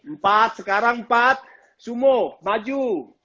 empat sekarang empat sumo maju